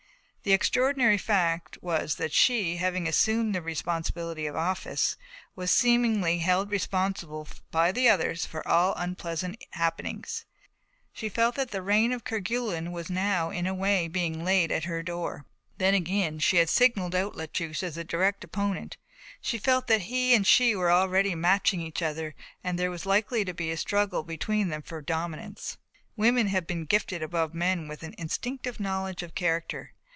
The extraordinary fact was that she, having assumed the responsibility of office, was, seemingly, held responsible by the others for all unpleasant happenings; she felt that the rain of Kerguelen was now, in a way, being laid at her door. Then, again, she had singled out La Touche as a direct opponent. She felt that he and she were already matching each other and there was likely to be a struggle between them for dominance. Women have been gifted above men with an instinctive knowledge of character.